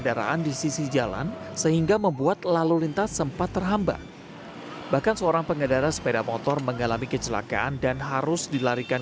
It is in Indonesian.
bahkan sebagian dari mereka mencoba bersuah foto mengabadikan fenomena tersebut